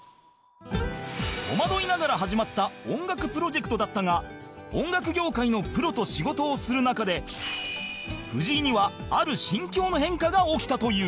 戸惑いながら始まった音楽プロジェクトだったが音楽業界のプロと仕事をする中で藤井にはある心境の変化が起きたという